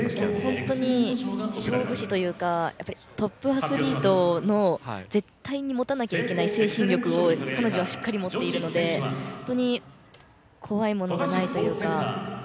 本当に勝負師というかトップアスリートの絶対に持たなきゃいけない精神力を彼女はしっかり持っているので怖いものがないというか。